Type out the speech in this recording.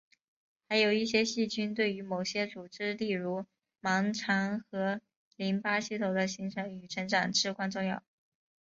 还有一些细菌对于某些组织例如盲肠和淋巴系统的形成与成长至关重要。